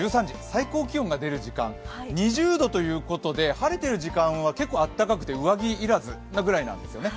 最高気温が出る時間２０度ということで晴れている時間は結構暖かくて、上着いらずなぐらいなんですね。